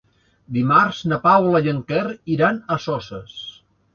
Dimarts na Paula i en Quer iran a Soses.